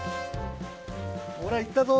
ほらいったぞ！